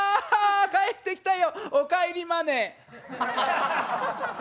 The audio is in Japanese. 帰ってきたよおかえりマネー。